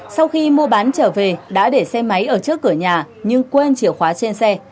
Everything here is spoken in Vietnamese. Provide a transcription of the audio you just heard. sau khi mua bán trở về đã để xe máy ở trước cửa nhà nhưng quên chìa khóa trên xe